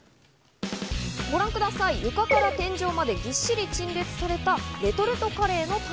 ご覧ください、床から天井までぎっしり陳列されたレトルトカレーの棚。